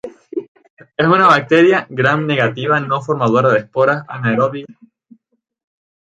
Es una bacteria gram negativa, no formadora de esporas, anaerobia facultativa.